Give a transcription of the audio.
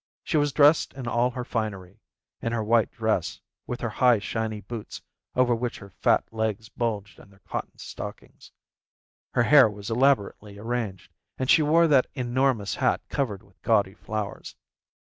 She was dressed in all her finery, in her white dress, with the high shiny boots over which her fat legs bulged in their cotton stockings; her hair was elaborately arranged; and she wore that enormous hat covered with gaudy flowers.